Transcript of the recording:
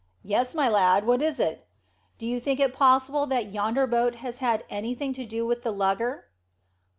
"Yes, my lad, what is it?" "Do you think it possible that yonder boat has had anything to do with the lugger?"